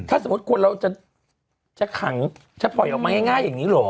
ถ้าสมมุติคนเราจะขังจะปล่อยออกมาง่ายอย่างนี้เหรอ